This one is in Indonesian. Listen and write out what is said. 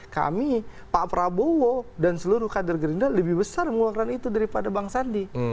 kami pak prabowo dan seluruh kader gerindra lebih besar mengeluarkan itu daripada bang sandi